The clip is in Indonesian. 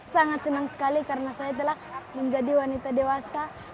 sangat senang sekali karena saya telah menjadi wanita dewasa